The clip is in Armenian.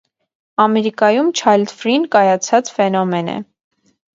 Ամերիկայում չայլդֆրին կայացած ֆենոմեն է։